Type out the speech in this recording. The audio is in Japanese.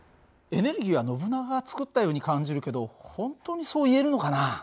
エネルギーはノブナガが作ったように感じるけど本当にそう言えるのかな？